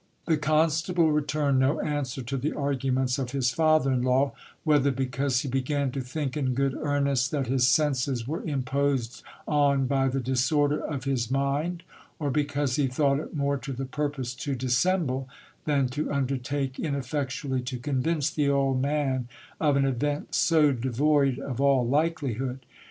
The constable returned no answer to the arguments of his father in law, whether because he began to think in good earnest that his senses were imposed on by the disorder of his mind, or because he thought it more to the purpose to dissemble, than to undertake ineffectually to convince the old man of an event so devoid of all likelihood.